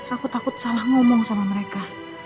aku takut salah ngomong sama mereka